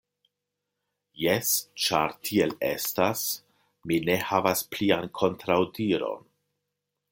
Jes, ĉar tiel estas, mi ne havas plian kontraŭdiron.